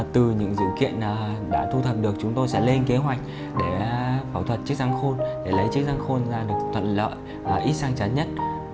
từ những dự kiện đã thu thập được chúng tôi sẽ lên kế hoạch để phẫu thuật chiếc răng khôn để lấy chiếc răng khôn ra được thuận lợi ít sang chắn nhất